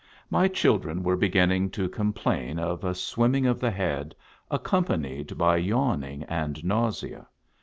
My children were beginning to complain of a swim ming of the head, accompanied by yawning and nausea.